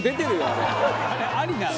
「ありなの？」